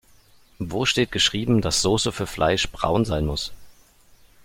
Wo steht geschrieben, dass Soße für Fleisch braun sein muss?